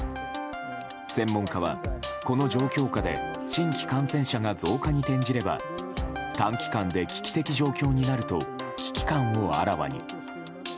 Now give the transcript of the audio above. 専門家はこの状況下で新規感染者が増加に転じれば短期間で危機的状況になると危機感をあらわに。